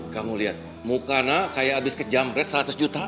kamu lihat mukanya kayak habis kejam ratus seratus juta